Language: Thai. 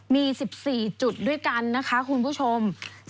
มี๑๔จุดด้วยกันนะคะคุณผู้ชม